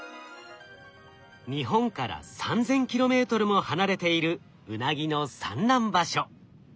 日本から３，０００ｋｍも離れているウナギの産卵場所。